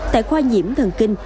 tại khoa nhiễm thần kinh